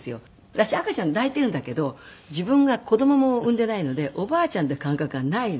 私赤ちゃん抱いているんだけど自分が子供を産んでいないのでおばあちゃんって感覚がない。